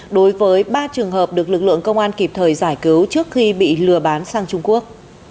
đối với ba trường hợp được lực lượng công an kịp thời giải cứu trước khi bị lừa bán sang trung quốc